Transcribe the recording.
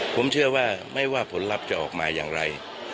ผมเชื่อว่าไม่ว่าผลลัพธ์จะออกมาอย่างไร